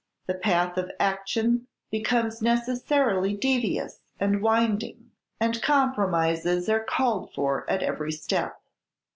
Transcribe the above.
The path of action becomes necessarily devious and winding, and compromises are called for at every step.